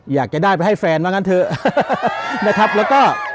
อยากจะได้ไปให้แฟนว่างั้นเถอะนะครับแล้วก็